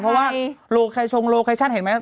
เพราะว่าโลใครชงโลเคชั่นเห็นไหม